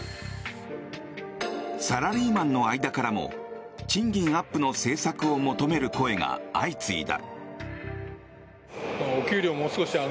サラリーマンの間からも賃金アップの政策を求める声が相次いだ。